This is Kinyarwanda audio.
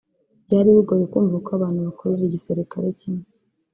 Byari bigoye kumva uko abantu bakorera igisirikare kimwe